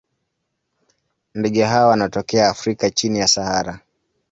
Ndege hawa wanatokea Afrika chini ya Sahara.